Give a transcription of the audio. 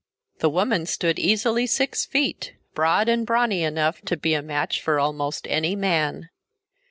The woman stood easily six feet, broad and brawny enough to be a match for almost any man.